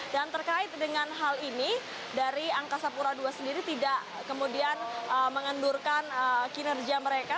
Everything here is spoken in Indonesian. terkait dengan hal ini dari angkasa pura ii sendiri tidak kemudian mengendurkan kinerja mereka